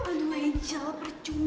aduh angel percuma